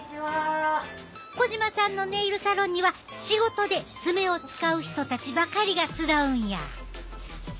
児島さんのネイルサロンには仕事で爪を使う人たちばかりが集うんや。